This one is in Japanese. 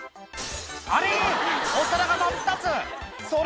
あれ！